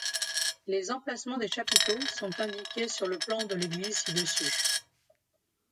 Les emplacements des chapiteaux sont indiqués sur le plan de l'église ci-dessus.